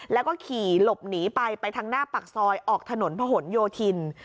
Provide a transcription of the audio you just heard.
แล้วก็ขี่หลบหนีไปไปทางหน้าปากซอยออกถนนพะหนโยธิน